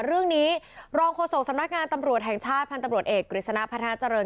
เรื่องนี้รองโฆษกสำนักงานตำรวจแห่งชาติพันธุ์ตำรวจเอกกฤษณะพัฒนาเจริญ